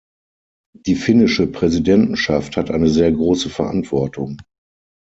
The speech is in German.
Die finnische Präsidentschaft hat eine sehr große Verantwortung.